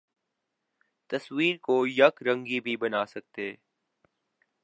تصویر کو یک رنگی بھی بنا سکتے